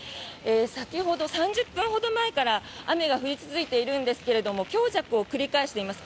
先ほど、３０分ほど前から雨が降り続いているんですが強弱を繰り返しています。